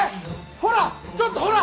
ほらちょっとほら。